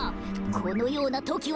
このようなときは。